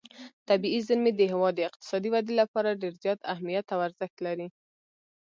طبیعي زیرمې د هېواد د اقتصادي ودې لپاره ډېر زیات اهمیت او ارزښت لري.